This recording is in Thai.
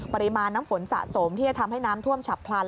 ปริมาณน้ำฝนสะสมที่จะทำให้น้ำท่วมฉับพลัน